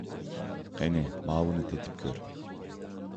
قېنى، ماۋۇنى تېتىپ كۆر!